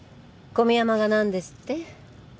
小宮山がなんですって？